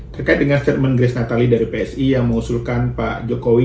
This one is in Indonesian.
terkait dengan statement grace natali dari psi yang mengusulkan pak jokowi